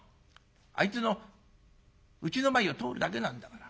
あいつのうちの前を通るだけなんだから。